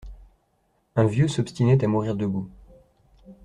Un vieux s'obstinait à mourir debout.